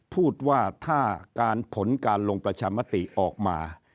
พูดว่าถ้าการผลการลงประชามติออกมา